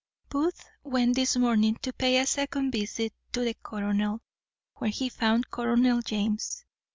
_ Booth went this morning to pay a second visit to the colonel, where he found Colonel James.